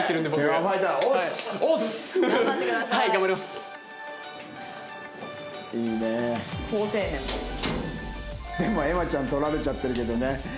でも瑛茉ちゃん取られちゃってるけどね